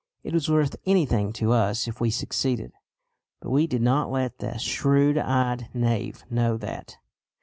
It was worth anything to us if we succeeded; but we did not let the shrewd eyed knave know that.